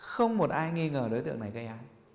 không một ai nghi ngờ đối tượng này gây án